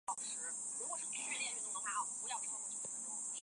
网檐南星是天南星科天南星属的植物。